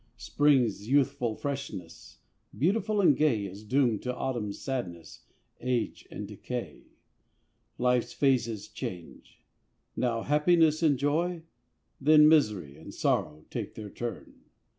Spring's youthful freshness, beautiful and gay, Is doomed to Autumn's sadness, age, decay. Life's phases change: now happiness and joy; Then misery and sorrow take their turn.